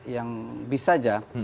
yang bis saja